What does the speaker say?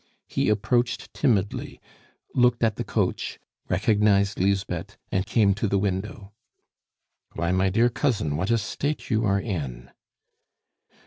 He approached timidly, looked at the coach, recognized Lisbeth, and came to the window. "Why, my dear cousin, what a state you are in!"